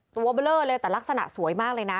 เบลอเลยแต่ลักษณะสวยมากเลยนะ